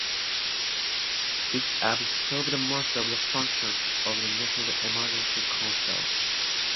It absorbed most of the functions of the National Emergency Council.